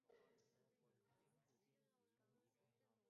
并邀请好莱坞技术团队参与特效制作。